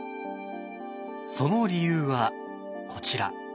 その理由はこちら。